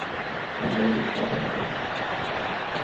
Hän lönkyttää veräjälle.